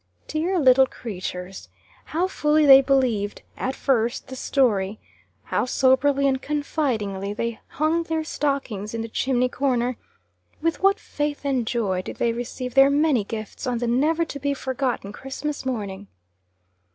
Dear little creatures! how fully they believed, at first, the story; how soberly and confidingly they hung their stockings in the chimney corner; with what faith and joy did they receive their many gifts on the never to be forgotten Christmas morning!